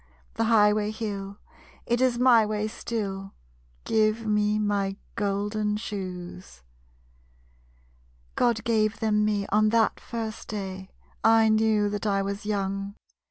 The highway hill, it is my way still. Give me my golden shoes. _God gave them me on that first day I knew that I was young.